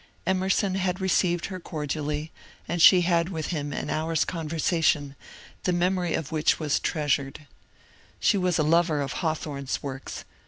Emerson had received her cordially, and she had with _ him an hour's conversation, the memory of which was trea 1^ sured. She was a lover of Hawthorne's works.